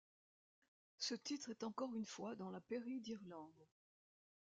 Ce titre est encore une fois dans la Pairie d'Irlande.